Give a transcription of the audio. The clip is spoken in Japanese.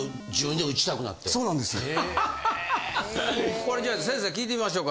これじゃあ先生聞いてみましょうか。